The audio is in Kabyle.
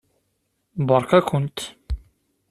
Beṛka-kent.